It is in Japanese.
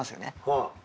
はい。